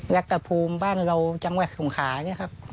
รัฐภูมิบ้านเราจังหวัดสงขาเนี่ยครับ